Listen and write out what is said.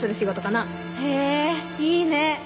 へえいいね。